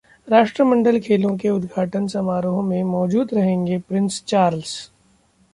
राष्ट्रमंडल खेलों के उद्घाटन समारोह में मौजूद रहेंगे प्रिंस चार्ल्स